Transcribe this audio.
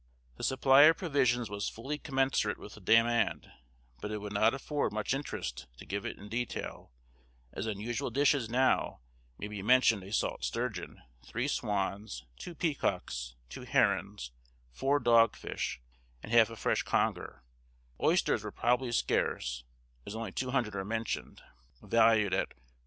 The supply of provisions was fully commensurate with the demand, but it would not afford much interest to give it in detail; as unusual dishes now, may be mentioned a salt sturgeon, three swans, two peacocks, two herons, four dog fish, and half a fresh conger; oysters were probably scarce, as only 200 are mentioned, valued at 4_d.